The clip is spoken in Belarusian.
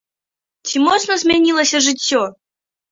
Ці моцна змянілася жыццё?